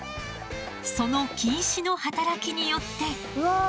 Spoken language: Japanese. その菌糸の働きによって。